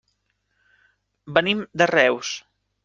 Venim de Reus.